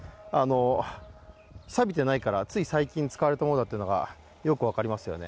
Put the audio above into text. さひでないから、つい最近使われたものだというのがよく分かりますね。